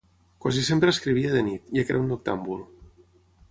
Quasi sempre escrivia de nit, ja que era un noctàmbul.